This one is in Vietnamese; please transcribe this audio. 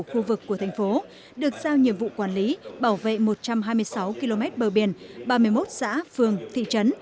khu vực của thành phố được giao nhiệm vụ quản lý bảo vệ một trăm hai mươi sáu km bờ biển ba mươi một xã phường thị trấn